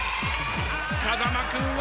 風間君は？